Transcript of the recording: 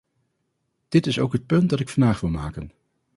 Dit is ook het punt dat ik vandaag wil maken.